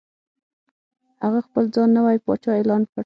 هغه خپل ځان نوی پاچا اعلان کړ.